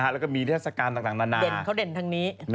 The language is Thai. แล้วก็มีเทศกาลต่างนานาเด่นเขาเด่นทางนี้